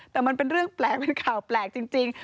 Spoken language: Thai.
แต่มันเป็นเรื่องแปลกเป็นข่าวแปลกจริง